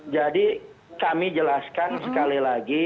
jadi kami jelaskan sekali lagi